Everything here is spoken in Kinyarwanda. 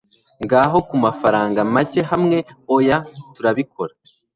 ngaho kumafaranga make hamwe oya turabikora